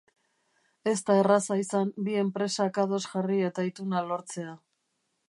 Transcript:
Ez da erraza izan bi enpresak ados jarri eta ituna lortzea.